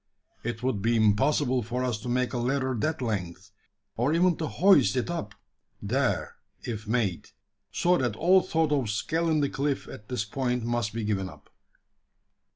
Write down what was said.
It would be impossible for us to make a ladder that length or even to hoist it up there if made so that all thought of scaling the cliff at this point must be given up."